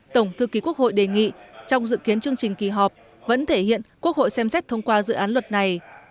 tổng thư ký quốc hội đề nghị trong dự kiến chương trình kỳ họp vẫn thể hiện quốc hội xem xét thông qua dự án luật này